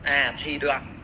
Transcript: à thì được